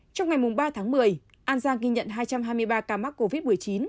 trong ngày ba tháng một mươi an giang ghi nhận hai trăm hai mươi ba ca mắc covid một mươi chín